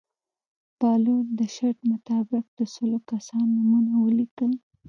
بهلول د شرط مطابق د سلو کسانو نومونه ولیکل.